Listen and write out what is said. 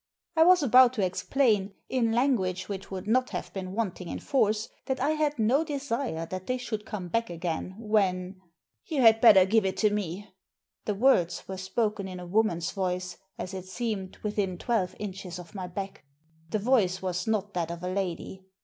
I was about to explain, in language which would not have been wanting in force, that I had no desire that they should come back again, when —•' You had better give it to me." The words were spoken in a woman's voice, as it seemed, within twelve inches of my back. The voice was not that of a lady.